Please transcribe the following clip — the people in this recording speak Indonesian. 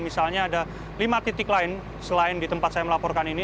misalnya ada lima titik lain selain di tempat saya melaporkan ini